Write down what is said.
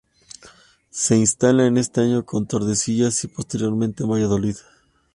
Se instala ese año en Tordesillas y posteriormente en Valladolid.